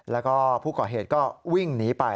แล้วก็ผู้ก่อเหตุก็วิ่งหนีไป